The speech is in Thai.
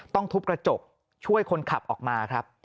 ทุบกระจกช่วยคนขับออกมาครับ